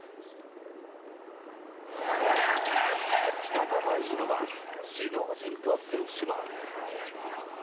仲がいいのは首脳陣と選手も。